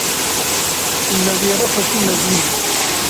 Tu newêrekekî mezin î.